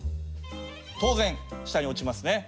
当然下に落ちますね。